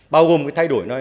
bao gồm cái thay đổi